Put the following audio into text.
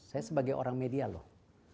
saya sebagai orang media loh